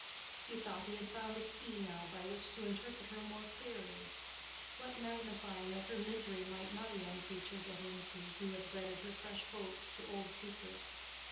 He thought he had found a key now by which to interpret her more clearly: what magnifying of her misery might not a young creature get into who had wedded her fresh hopes to old secrets!